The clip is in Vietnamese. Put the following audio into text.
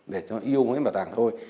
để cho yêu với bảo tàng thôi